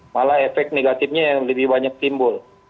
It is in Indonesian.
malah efek negatifnya yang lebih banyak timbul